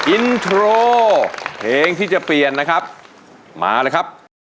อินโทรเพลงที่จะเปลี่ยนนะครับมาเลยครับ